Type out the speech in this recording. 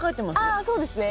ああそうですね。